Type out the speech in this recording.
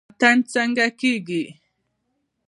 اتن څنګه کیږي؟